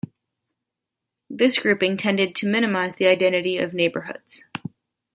This grouping tended to minimize the identity of neighborhoods.